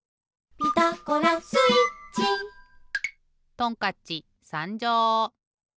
トンカッチさんじょう！